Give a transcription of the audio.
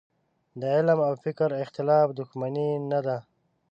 د علم او فکر اختلاف دوښمني نه ده.